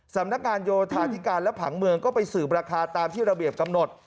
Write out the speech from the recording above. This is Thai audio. สำนักงานโยธาธิการและผังเมืองก็ไปสืบราคาตามที่ระเบียบกำหนด